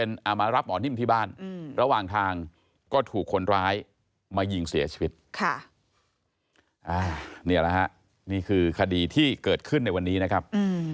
นี่คือคดีที่เกิดขึ้นในวันนี้นะครับ